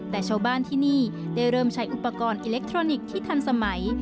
แต่ชาวบ้านที่นี่ได้เริ่มใช้อุปกรณ์อิเล็กทรอนิกส์ที่ทันสมัย